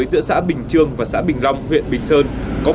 thường thường là tập trung như thế này là đóng